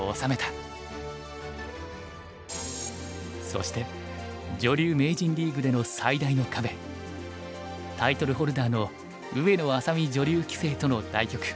そして女流名人リーグでの最大の壁タイトルホルダーの上野愛咲美女流棋聖との対局。